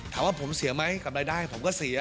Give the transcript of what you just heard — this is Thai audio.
ถามว่าผมเสียไหมกับรายได้ผมก็เสีย